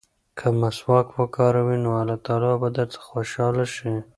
که مسواک وکاروې نو الله تعالی به درڅخه خوشحاله شي.